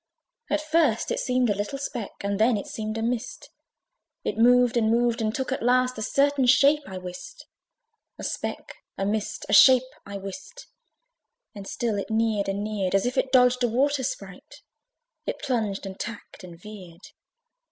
At first it seemed a little speck, And then it seemed a mist: It moved and moved, and took at last A certain shape, I wist. A speck, a mist, a shape, I wist! And still it neared and neared: As if it dodged a water sprite, It plunged and tacked and veered.